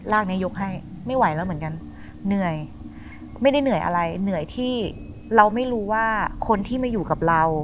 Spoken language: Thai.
กนี้ยกให้ไม่ไหวแล้วเหมือนกันเหนื่อยไม่ได้เหนื่อยอะไรเหนื่อยที่เราไม่รู้ว่าคนที่มาอยู่กับเรา